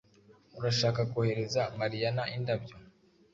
Urashaka kohereza Mariyana indabyo?